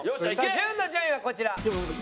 潤の順位はこちら。